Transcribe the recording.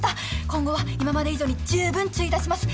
今後は今まで以上にじゅうぶん注意いたします。